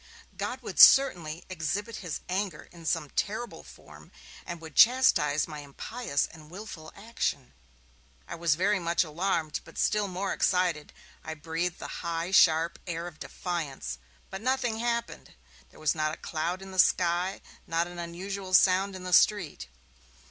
God would certainly exhibit his anger in some terrible form, and would chastise my impious and willful action. I was very much alarmed, but still more excited; I breathed the high, sharp air of defiance. But nothing happened; there was not a cloud in the sky, not an unusual sound in the street.